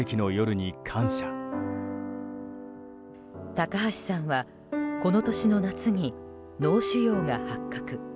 高橋さんはこの年の夏に脳腫瘍が発覚。